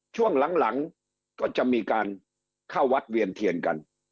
ช่วงหลังก็จะมีการเข้าวัดเวียนเทียนกัน